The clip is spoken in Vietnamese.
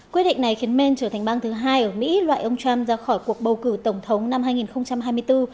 quyết định này khiến maine trở thành bang thứ hai ở mỹ loại ông trump ra khỏi cuộc bầu cử tổng thống năm hai nghìn hai mươi bốn